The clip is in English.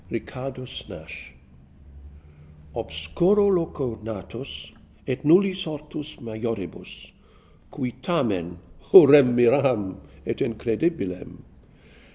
RICHARDUS NASH, Obscuro loco natus, Et nullis ortus majoribus : Cui tamen (0 rem miram, et incredibilem